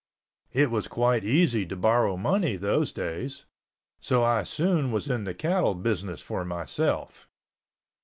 It was quite easy to borrow money those days. So I soon was in the cattle business for myself.